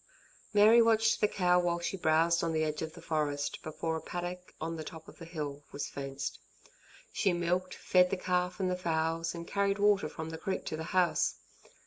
Mary watched the cow while she browsed on the edge of the forest before a paddock on the top of the hill was fenced. She milked, fed the calf and the fowls, and carried water from the creek to the house.